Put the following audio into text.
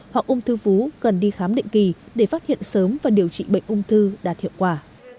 hoặc ung thư vú cần đi khám định kỳ để phát hiện sớm và điều trị bệnh ung thư đạt hiệu quả